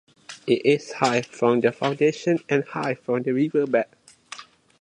It is high from the foundation and high from the river bed.